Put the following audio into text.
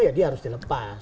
ya dia harus dilepas